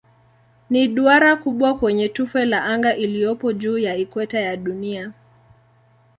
Ni duara kubwa kwenye tufe la anga iliyopo juu ya ikweta ya Dunia.